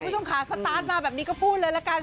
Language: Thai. คุณผู้ชมค่ะสตาร์ทมาแบบนี้ก็พูดเลยละกัน